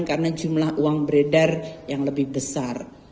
karena jumlah uang beredar yang lebih besar